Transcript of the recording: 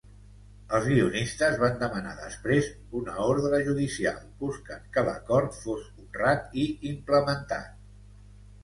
Els guionistes van demanar després una ordre judicial buscant que l'acord fos honrat i implementat.